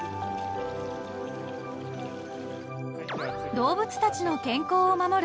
［動物たちの健康を守る